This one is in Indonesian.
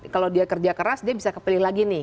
kalau dia kerja keras dia bisa kepilih lagi nih